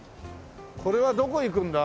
これはどこ行くんだ？